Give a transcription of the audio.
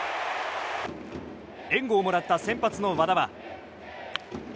援護をもらった先発の和田は。